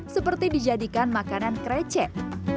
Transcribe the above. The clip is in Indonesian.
seperti dijadikan makanan krecek